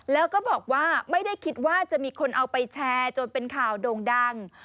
แล้วก็บอกว่าไม่ได้คิดว่าจะมีคนเอาไปแชร์จนเป็นข่าวโด่งดัง